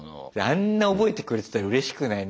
あんな覚えてくれてたらうれしくない？